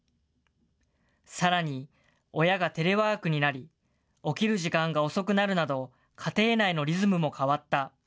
さらに、親がテレワークになり、起きる時間が遅くなるなど、家庭内のリズムも変わった。